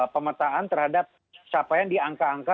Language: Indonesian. pemetaan terhadap siapa yang diangka angka